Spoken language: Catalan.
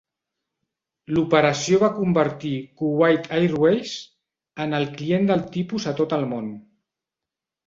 L'operació va convertir Kuwait Airways en el client del tipus a tot el món.